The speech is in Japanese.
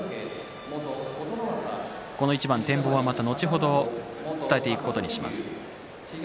この一番の展望は、また後ほどお伝えしていこうとします。